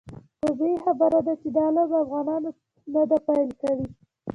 طبیعي خبره ده چې دا لوبه افغانانو نه ده پیل کړې.